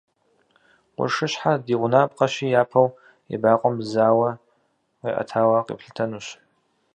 Къуршыщхьэр ди гъунапкъэщи, япэу ебакъуэм зауэ къиӏэтауэ къэтлъытэнущ.